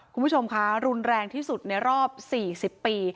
คุณผู้ชมคะรุนแรงที่สุดในรอบ๔๐ปี